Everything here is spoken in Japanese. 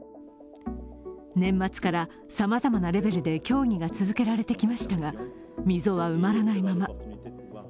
年末からさまざまなレベルで協議が続けられてきましたが、溝は埋まらないまま。